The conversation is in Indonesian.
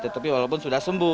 tetapi walaupun sudah sembuh